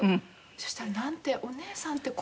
そしたらなんてお姉さんってこんなに天使。